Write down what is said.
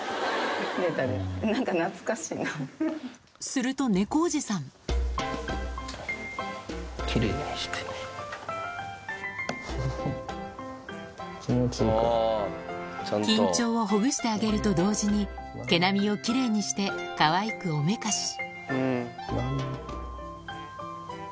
すると猫おじさん緊張をほぐしてあげると同時に毛並みを奇麗にしてかわいくおめかし豆。